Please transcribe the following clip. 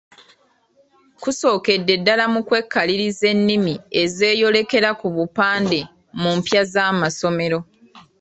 Kusookedde ddala mu kwekaliriza ennimi ezeeyolekera ku bupande mu mpya z'amasomero.